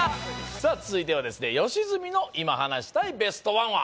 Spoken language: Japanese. さあ続いてはですね吉住の今話したいベストワンは？